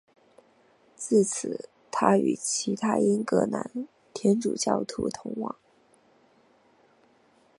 自此他与其他英格兰天主教徒同住。